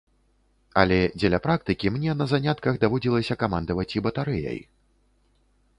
Але дзеля практыкі мне на занятках даводзілася камандаваць і батарэяй.